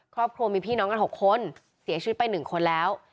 ครอบครัวมีพี่น้องกัน๖คนเสียชีวิตไป๑คนแล้ว